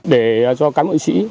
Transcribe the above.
để cho cán bộ chính sĩ